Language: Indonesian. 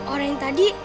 orang yang tadi